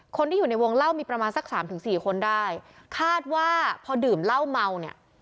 คนที่อยู่ในวงเล่ามีประมาณสักสามถึงสี่คนได้คาดว่าพอดื่มเหล้าเมาเนี่ย